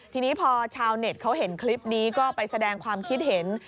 ทีนี้พอชาวเน็ตเขาเห็นคลิปนี้ก็ไปแสดงความคิดเห็น